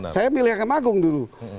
saya milih akan mak agung dulu